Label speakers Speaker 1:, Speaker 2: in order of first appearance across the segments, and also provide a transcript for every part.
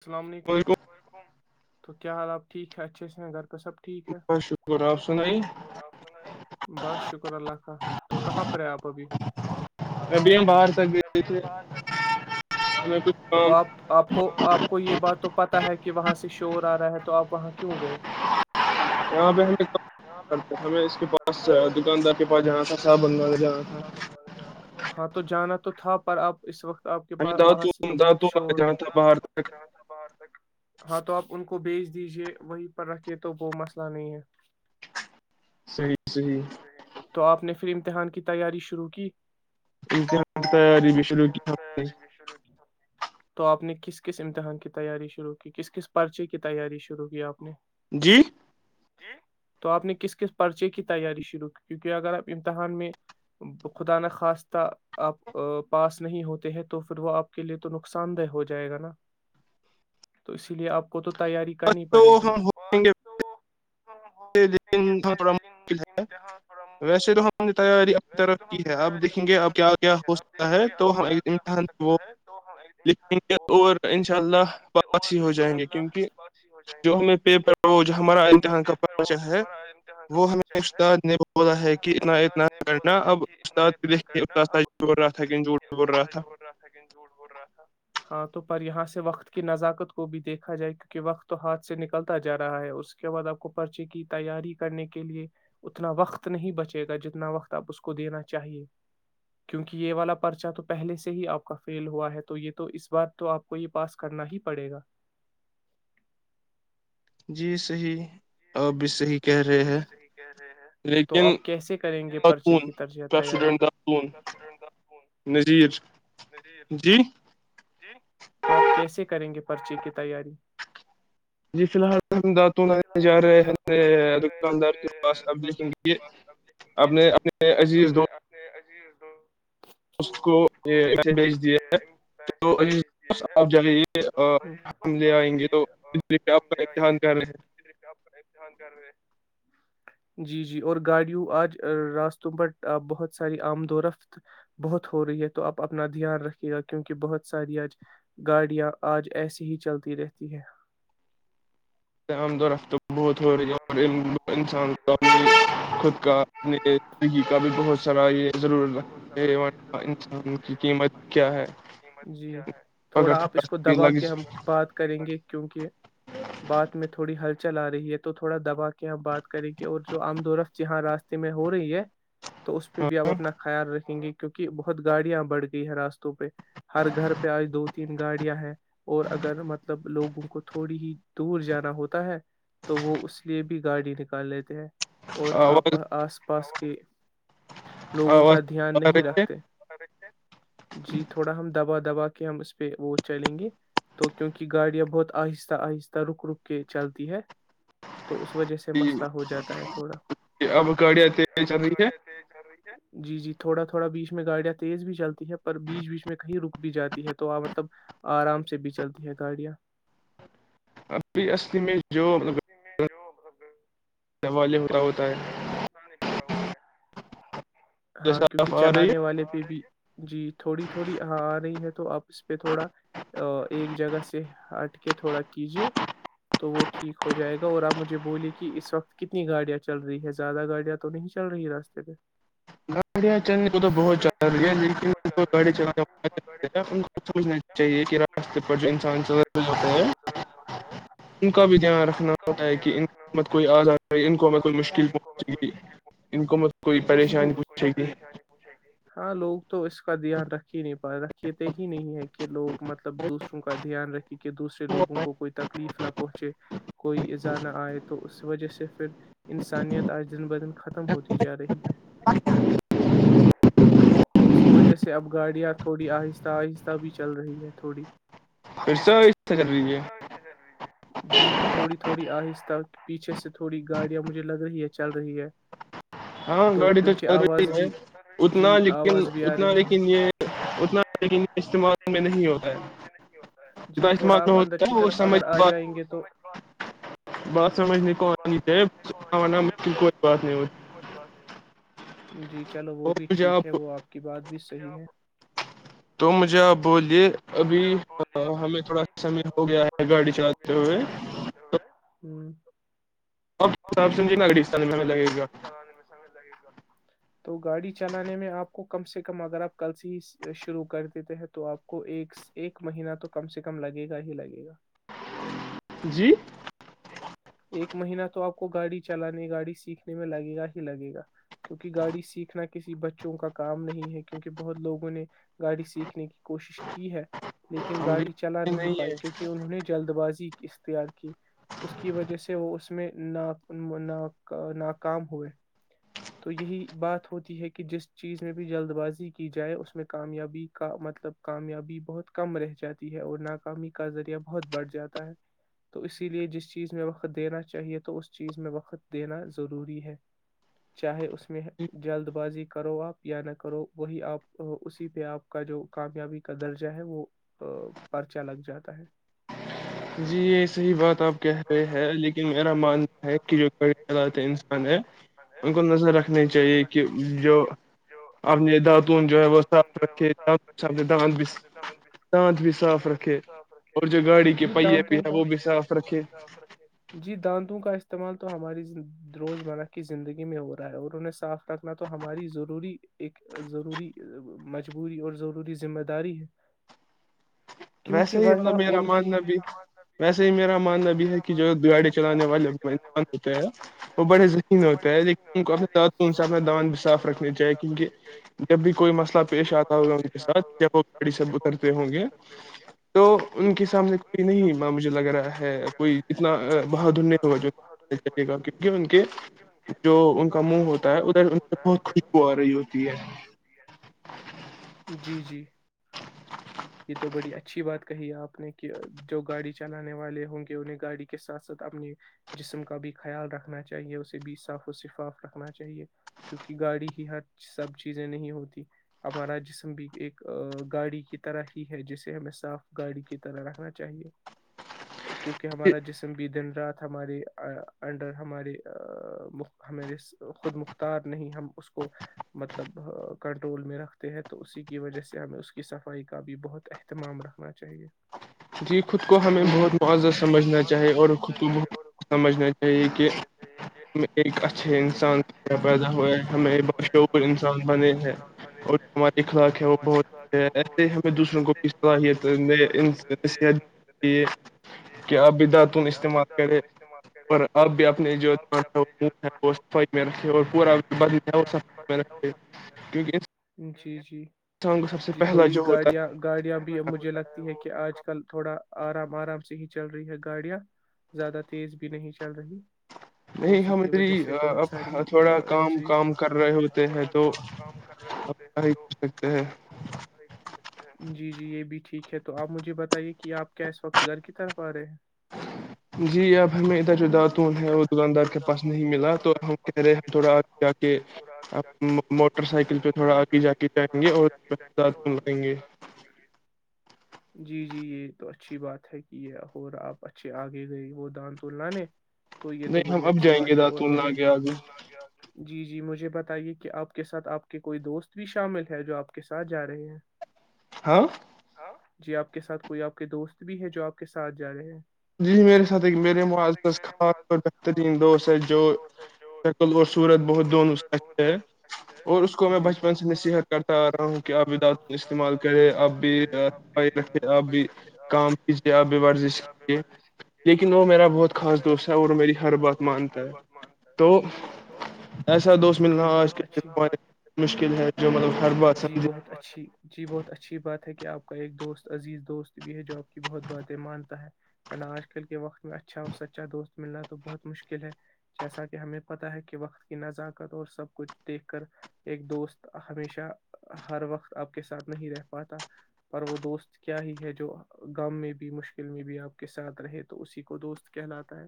Speaker 1: السلام علیکم ولیکم تو کیا حال آپ ٹھیک ہے اچھا سے گھر تو سب ٹھیک ہے آپ بس شکر اللہ کاا تو کہاں پر ہے آپ ابھی
Speaker 2: ابھی ہم باہر سک بھی
Speaker 1: ب سک تو آپ آپ کو آپ کو یہ بات تو پتا ہے کہ کہ وہاں سے شور آ رہا ہے تو آپ وہاں کیوں گئے
Speaker 2: یہاں پہ ہم ہمیں اس کے پاس دکاندار کے
Speaker 1: دکاندار کےا ج تھا ہاں تو جانا تو تھا پر آپ اس وقت آپ کےاس وہاں سے تو بہت شور تک ہاں تو آپ کو بھیج دیجیئے وہیں پر رکھے تو وہ مسئلہ نہیں ہے
Speaker 2: صی صی
Speaker 1: امتحان کی تیاری شروع کی
Speaker 2: ت ب شرو کی
Speaker 1: کس امتحان کی تیاری شروع کی کس کس پرچے کی تیاری شروع کی آپ نے
Speaker 2: جی
Speaker 1: ج تو آپ نے کس کس پرچے کی تیاری شروع کی کیونکہ اگر آپ امتحان میں خدا ن خواستہ آپ پاس نہیں ہوتے ہیں تو پھر وہ آپ کے لیے تو نقصان دہ ہو جائے گا نا تو اسی لیے آپ کو تو [unintelligible]
Speaker 2: لیکن تھوڑا مشکل ہے ویسے تو ہم تیاری اپنی طرف کی ہے آپ دیکھیں گے اب کیا کیا ہو سکتا ہے تو ہم ایک امتان وہ لیں گے اور انشاء اللہ واپس ہی ہو جائیں گے کیونکہ جو ہمیں پیپر وہ ہمارا امتحان کاہ ہے وہ ہمیں استاد نے بولا ہے کہ
Speaker 1: استاد نے بولا ہے کہ اتنا اتنا کرنا اب استاد دیکھ کے اتنا سا جھڑ رہا تھایکن جھوٹ بول رہا ہاں تو پر یہاں سے وقت کی نزاکت کو بھی دیکھا جائے کیونکہ وقت ہاتھ سے نکلتا جا رہا ہے اس کے بعد آپ کو پرچے کی تیاری کرنے کے لیے اتنا وقت نہیں بچے گا جتنا وقت آپ اس کو دینا چاہیے کیونک یہ والا پرچا تو پہلے سے ہی آپ کا فیل ہوا ہے تو یہ تو اس بار تو آپ کو یہ پاس کرنا ہی پڑے گا
Speaker 2: جی صحیح اور بھی صحیح کہہ رہے ہیں لیکن خاتونڈٹ خاتون نظیر
Speaker 1: ج تو آپ کیسے کریں گے گے پرچی کی تیاری
Speaker 2: جی فی الحال ہم دانتوں آنے جا رہے ہیں اپنے دکاندار کے پاس اب لیکن یہ آپ نے اپنے عزیز دو
Speaker 1: جیٹو
Speaker 2: اس کو یہے بھیج دیا ہے تو آپ ج یہ لے آئیں گے تو اس لیے آپ کا امتحان کر رہے ہیں
Speaker 1: جی جی اور گاڑیوں آج راستوں پر بہت ساری آمد و رفت بہت ہو رہی ہے تو آپ اپنا دھیان رکھیے گا کیونکہ بہت ساری آج گاڑیاں آج ایسی ہی چلتی رہتی ہیں
Speaker 2: عمد و رفت بہت تھڑی اور انسان کو خود کا اپنی زندگی کا بھی بہت سارا یہ ضرور رکھ انسان کی قیمت کیا ہے اگر تھوڑا سا لگ
Speaker 1: کیونکہ بات میں تھوڑی ہلچل آ رہی ہے تو تھوڑا دبا کے آ بات کریں گی اور جو آمد و رفت یہاں راستے میں ہو رہی ہے تو اس پہ بھی آپ اپنا خیال رکھیں گے کہ کیوںکہ بہت گاڑیاں بڑھ گئی ہے راستوں پہ ہر گھر پہ آج دو تین گاڑیاں ہیں اور اگر مطلب لوگوں کو تھوڑی ہی دور جانا ہوتا ہے تو وہ اس اس لیے بھی گاڑی نکال لیتے ہیں اور آپ آس پاس کے لوگوں کا دھیان نہیں رکھتے جی تھوڑا ہم دبا دبا کے ہم اس پہ وہ چلیں گے تو کیونکہ گاڑیاں بہت آہستہ آہستہ رک رک کے چلتی ہے تو اس وجہ سے مسئلہ ہو جاتا ہے تھوڑا اب گایاں رہی جی جی تھوڑا تھوڑا بیچ میں گاڑیاں تیز بھی چلتی ہے پر بیچ بیچ میں کہیں رک بھی جاتی ہے تو مطلب آرام سے بھی چلتی ہے گاڑیاں
Speaker 2: علی اصلی میں جو
Speaker 1: جو اتا ہاں کیونکہ چلانے والے پہ بھی جی تھوڑی تھوڑی ہاں آ رہی ہے تو آپ اس پہ تھوڑا ایک جگہ سے ہٹ کے تھوڑا کیجیے تو وہ ٹھیک ہو جائے گا اور آپ مجھے بولیے کہ اس وقت کتنی گاڑیاں چل رہی ہے زیادہ گاڑیاں تو نہیں چل رہی راستے پہ
Speaker 2: گاڑیاں چلنے کو تو بہت روری ہے لیکن گاڑی چلانے ان کو سمجھنا چاہیے کہ راستے پر جو انسان چل جاتے ہے ان کا بھی دھیان رکھنا ہے کہ ان مت کوئی آز آ ان کو میں کوئی مشکل پہنچ گی ان کو مت کوئی پریشانی
Speaker 1: کو پریشانی پچھے گی ہاں لوگ تو اس کا دھیان رکھ ہی نہیں پا رکےتے ہی نہیں ہے کہ لوگ مطلب دوسروں کا دھیان رکھی کہ دوسرے لووں کو کوئی تکلیف نہ پچے کوئی ایزا نہ آئے تو اس وجہ سے پھر انسانیت آج دن بہدن ختم ہوتی جا رہی ہے تو اسی وجہ سے اب گاڑیاں تھوڑی آہستہ آہستہ بھی چل رہی ہے تھوڑی
Speaker 2: پھر س اس سے کر رہی ہے
Speaker 1: تھوڑی آہستہ پیچھے سے تھوڑی گاڑیاں مجھے لگ رہی ہے چل رہی ہے
Speaker 2: ہاں گاڑی تو چل رہی ہے اتنا لیکن اتنا لیکن یہ اتنا لیکن یہ
Speaker 1: جی تھوڑا آپ اندر کی طرف اگر آ جائیں گے تو
Speaker 2: کوا مل کوئی بات نہیں ہوئی
Speaker 1: باس ہو جی چلو وہ بھی ٹھیک ہے وہ آپ کی بات بھی جی
Speaker 2: تو مجھے آپ بولیے ابھی ہمیں تھوڑا سمئے ہو گیا ہے گاڑی چلاتے ہوئے
Speaker 1: آپ حساب سے مجھے کتنا گاڑی چلانے میں سمجھ لگے تو گاڑی چلانے میں آپ کو کم سے کم اگر آپ کل سے ہی شرو کر دیتے ہیں تو آپ کو ایک ایک مہینہ تو کم سے کم لگے گا ہی لگے گا
Speaker 2: جی
Speaker 1: ایک مہینہ تو آپ کو گاڑی چلانے گاڑی سیکھنے میں لگے گا ہی لگے گا کیونکہ گاڑی سیکھنا کسی بچوں کا کام نہیں ہے کیونک بہت لوگوں نے گاڑی سیکھنے کی کوشش کی ہے لیکن گاڑی چلا نہیں پائی کیونکہ انہوں نے جلد بازی قستے آک اس کی وجہ سے وہ اس میں ن ن ناکام ہوئے تو یہی بات ہوتی ہے کہ جس چیز میں بھی جلد بازی کی جائے اس میں کامیابی کا مطلب کامیابی بہت کم رہ جاتی ہے اور ناکامی کا ذریعہ بہت بڑھ جاتا ہے تو اسی لیے جس چیز میں وقت دینا چاہیے تو اس چیز میں وقت دینا ضروری ہے چاہے اس میں جلد بازی کرو آپ یا نہ کرو وہی آپ اسی پہ آپ کا جو کامیابی کا درجہ ہے وہ پرچا لگ جاتا ہے
Speaker 2: جی یہ صحیح بات آپ کیا ہے ہے لیکن میرا ماننا ہے کہ جو گڑی چے انسان ہے ان کو نظر رکھنی چاہیے کہ جو اپنے داتون جو ہے وہ صاف رکھے دانت بھی دانت بھی صاف رکھے اور جو گاڑی کے پہیے بھی ہے وہ بھی صاف رکھے
Speaker 1: جی دانتوں کا استعمال تو ہماری روزمرہ کی زندگی میں ہو رہا ہے اور انہیں صاف رکھنا تو ہماری ضروری ایک ضروری مجبوری اور ضروری ذمہ داری ہے
Speaker 2: ویسے ہی مطلب میرا ماننا بھی ویسے ہی میرا ماننا بھی ہے کہ کہ جو گاڑی چلانے والے انسان ہوتا ہے وہ بڑے ذخین ہوتا ہے لیکن ان کو اپنے طعون سے اپنا دان بھی صاف رکھنی چاہیے کیونکہ جب بھی کوئی مسئلہ پیش آتا ہوگا ان کے ساتھ جب وہ گاڑی سےب اترتے ہوں گے تو ان کے سامنے کوئی نہیںاں مجھے لگ رہا ہے کوئی اتنا بہاد دنیہ ہوگا جولے گا کیونکہ ان کے جو ان کا منہ ہوتا ہے ادھر بہت خوشبو آ رہی ہوتی ہے
Speaker 1: تو بڑی اچھی بات کہی آپ نے کہ جو گاڑی چلانے والے ہوں گے انہیں گاڑی کی کے ساتھ ساتھ اپنے جسم کا بھی خیال رکھنا چاہیے اسے بھی صاف و شفاف رکھنا چاہیے کیونکہ گاڑی ہی ہر سب چیزیں نہیں ہوتی ہمارا جسم بھی ایک گاڑی کی طرح ہی ہے جسے ہمیں صاف گاڑی کی طرح رکھنا چاہیے کیونکہ ہمارا جس بھی دن رات ہمارے انڈر ہمارے ہمے خود مختار نہیں ہم اس کو مطلب کنٹرول میں رکھتے ہیں تو اسی کی وجہ سے ہمیں اس کی صفائی کا بھی بہت اہتمام رکھنا چاہیے
Speaker 2: جی خود کو ہمیں بہت موذہ سمجھنا چاہیے اور خط بت سمجھنا چاہیے کہ ہم ایک اچھے انسان پیدا ہوئے ہمیں بشعور انسان بنے ہیں اور ہمارے اخلاق ہے وہ بہتچے ایسے ہمیں دوسروں کو بھی صلاحیت صحت کیے کہ آپ ادر پ استعمال کرے اور آپ بھی اپ کیونکہ
Speaker 1: جی جی جی تھوڑی گاڑیاں گاڑیاں بھی مجھے لگتی ہے کہ آج کل تھوڑا آرام آرام سے ہی چل رہی ہے گاڑیاں زیادہ تیز بھی نہیں چل رہی
Speaker 2: نہیں ہم اتری اب تھوڑا کام کام کر رہے ہوتے ہیں تو کر سکتے ہیں
Speaker 1: ٹھیک ہے تو آپ مجھے بتائیے کہ آپ کیا اس وقت گھر کی طرف آ رہے ہیں [unintelligible]
Speaker 2: جی آب ہمیں ادھر جد
Speaker 1: جی اب ہمیںنا شز دکاندار کے پاس نہیں ملا تو ہم تھڑا آگ جا کے موٹر سائیکل پا آگے جا کےے اور جی جی یہ تو اچھی بات ہے کہ یہ اور آپ اچھے آگے گئے وہ دان تو لے تو یہ تو بڑی اچھی بات ہے اور مجھےنا جی جی مجھے بتے کہ آپ کے ساتھ آپ کے کوئی دوست بھی شامل ہے جو آپ کے ساتھ جا رہے ہیں
Speaker 2: ہ
Speaker 1: جی آپ کے ساتھ کوئی آپ کے دوست بھی ہے جو آپ کے ساتھ جا رہے ہیں
Speaker 2: جی میرے ساتھ ایک میرے معا خاص اور بہترین دوست ہے جو شکل اور سورت بہت دونوں سے ہے اور اس کو میں بچپن سے نصیحت کرتا آ رہا ہوں کہ آپ بھی داد استعمال کرے آپ بھی رکھے آپ بھی کام کیجیے آپ بھی ورزش لیکن وہ میرا بہت خاص دوست ہے وہ
Speaker 1: جی بہت اچ جی بہت اچھی جی بہت اچھی بات ہے کہ آپ کا ایک دوست عزیز دوست بھی ہے جو آپ کی بہت باتیں مانتا ہے ورنہ آج کل کے وقت میں اچھا اور سچا دوست ملنا تو بہت مشکل ہے جیسا کہ ہمیں پتہ ہے کہ وقت کی نزاکت اور سب کچھ دیکھ کر ایک دوست ہمیشہ ہر وقت آپ کے ساتھ نہیں رہ پاتا پر وہ دوست کیا ہی ہے جو م میں بھی مشکل میں بھی آپ کے ساتھ رہے تو اسی کو دوست کہلاتا ہے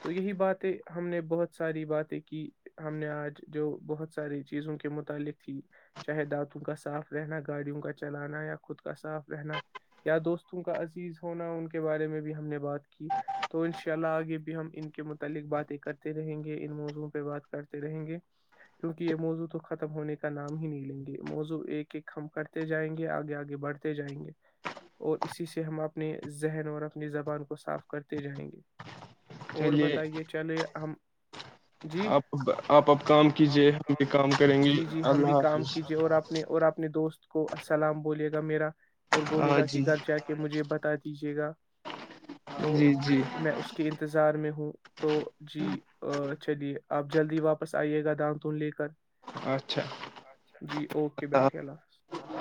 Speaker 1: تو یہی باتیں ہم نے بہت ساری باتیں کی ہم نے آج جو بہت ساری چیزوں کے متعلق تھی چاہے دانتوں کا صاف رہنا گاڑیوں کا چلانا یا خود کا صاف رہنا یا دوستوں کا عزیز ہونا ان کے بارے میں بھی ہم نے بات کی تو ان شاء اللہ گ بھی ہم ان کے متعلق باتیں کرتے رہیں گے ان موضوع پہ بات کرتے رہیں گے کیونکہ یہ موضوع تو ختم ہونے کا نام ہی نہیں لیں گے موضوع ایک ایک ہم کرتے جائیں گے آگے آگے بڑھتے جائیں گے اور اسی سے ہم اپنے ذہن اور اپنی زبان کو صاف کرتے جائیں گے اور بتائیے چلے ہم
Speaker 2: آپ ا آپ اب کام کیجے ہم بھی کام کریں گی اللہ حافظ
Speaker 1: کوسلام بولیے گا میرا اور بولے گا کہ گھر جا کے مجھے یہ بتا کیجیے گا
Speaker 2: جی جی
Speaker 1: میں ہوں تو جی چلیے آپ جلدی واپس آئیے گا دانتون لے کر جی اوکے بیٹھے اللہ ح